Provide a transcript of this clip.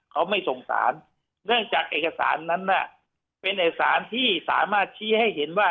เขาไม่สงสารเนื่องจากเอกสารนั้นน่ะเป็นเอกสารที่สามารถชี้ให้เห็นว่า